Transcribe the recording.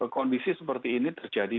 kondisi seperti ini terjadi